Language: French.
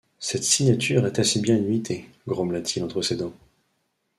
Cette signature est assez bien imitée, grommela-t-il entre ses dents.